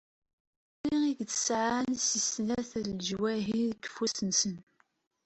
Ajenwi iqeḍɛen si snat n leǧwahi deg ufus-nsen.